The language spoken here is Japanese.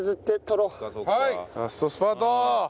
ラストスパート！